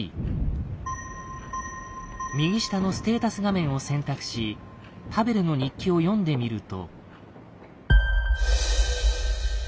右下のステータス画面を選択しパヴェルの日記を読んでみると。